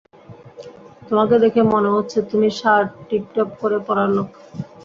তোমাকে দেখে মনে হচ্ছে তুমি শার্ট টিপটপ করে পরার লোক।